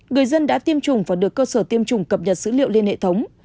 người dân đã tiêm chủng và được cơ sở tiêm chủng cập nhật sữ liệu lên hệ thống